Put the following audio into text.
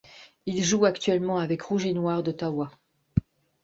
Il joue actuellement avec Rouge et Noir d'Ottawa.